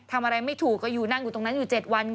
ทำอะไรไม่ถูกก็อยู่นั่งอยู่ตรงนั้นอยู่๗วัน